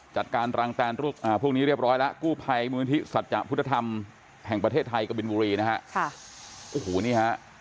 จัดการรางการพวกนี้เรียบร้อยแล้วกู้ภัยมือวิทยาศาสตร์ภุตธรรมแห่งประเทศไทยกบินบุรีนะฮะ